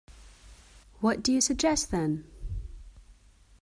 What do you suggest, then?